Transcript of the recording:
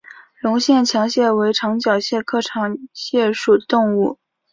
隆线强蟹为长脚蟹科强蟹属的动物。